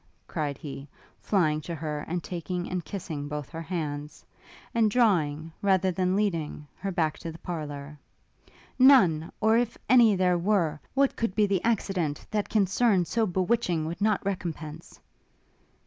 cried he, flying to her and taking and kissing both her hands, and drawing, rather than leading, her back to the parlour, 'none! or if any there were, what could be the accident that concern so bewitching would not recompense?'